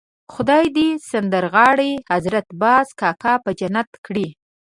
خدای دې سندرغاړی حضرت باز کاکا په جنت کړي.